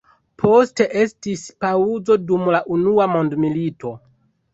Poste estis paŭzo dum la unua mondmilito.